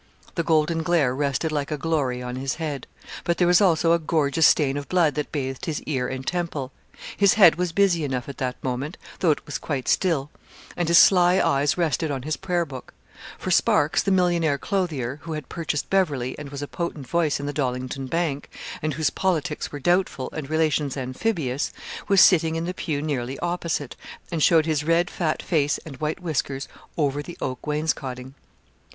'_ The golden glare rested like a glory on his head; but there was also a gorgeous stain of blood that bathed his ear and temple. His head was busy enough at that moment, though it was quite still, and his sly eyes rested on his Prayer book; for Sparks, the millionaire clothier, who had purchased Beverley, and was a potent voice in the Dollington Bank, and whose politics were doubtful, and relations amphibious, was sitting in the pew nearly opposite, and showed his red, fat face and white whiskers over the oak wainscoting.